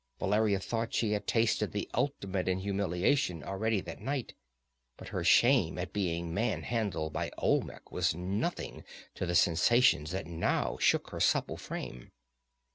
Valeria thought she had tasted the ultimate in humiliation already that night, but her shame at being manhandled by Olmec was nothing to the sensations that now shook her supple frame.